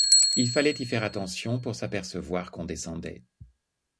Il fallait y faire attention pour s’apercevoir qu’on descendait.